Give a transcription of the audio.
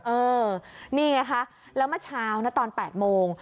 เออนี่ไงคะแล้วเมื่อเช้านะตอน๘โมง